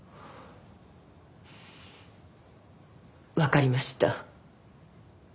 わかりました。